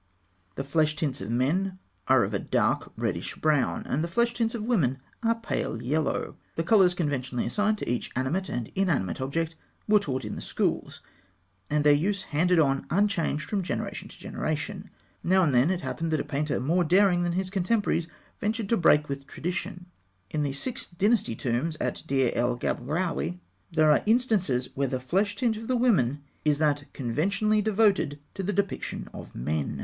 The flesh tints of men are of a dark reddish brown, and the flesh tints of women are pale yellow. The colours conventionally assigned to each animate and inanimate object were taught in the schools, and their use handed on unchanged from generation to generation. Now and then it happened that a painter more daring than his contemporaries ventured to break with tradition. In the Sixth Dynasty tombs at Deir el Gebrawî, there are instances where the flesh tint of the women is that conventionally devoted to the depiction of men.